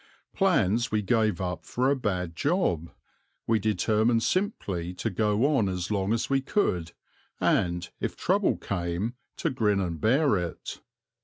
Plans we gave up for a bad job; we determined simply to go on as long as we could and, if trouble came, to grin and bear it.